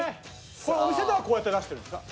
これお店ではこうやって出してるんですか？